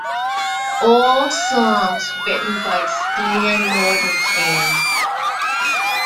All songs written by Stina Nordenstam.